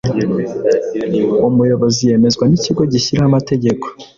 umuyobozi yemezwa n’ikigo gishyiraho amategeko